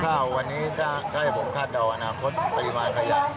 ถ้าวันนี้ถ้าให้ผมคาดเดาอนาคตปริมาณขยะ